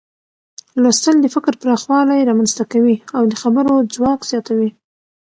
لوستل د فکر پراخوالی رامنځته کوي او د خبرو ځواک زیاتوي.